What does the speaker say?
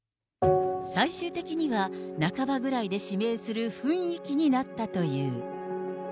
最終的には半ばぐらいで指名する雰囲気になったという。